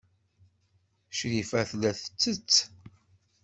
Crifa tella tettess.